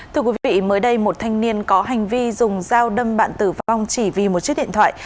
thưa quý vị mới đây một thanh niên có hành vi dùng dao đâm bạn tử vong chỉ vì một chiếc điện thoại